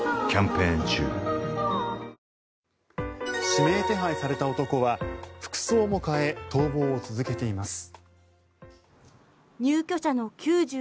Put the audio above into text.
指名手配された男は服装も変え逃亡を続けています。